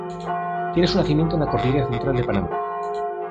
Tiene su nacimiento en la Cordillera Central de Panamá.